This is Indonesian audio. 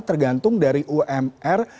tergantung dari umr